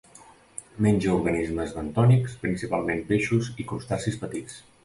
Menja organismes bentònics, principalment peixos i crustacis petits.